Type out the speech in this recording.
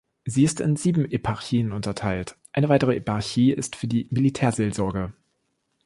Sie ist in sieben Eparchien unterteilt, eine weitere Eparchie ist für die Militärseelsorge.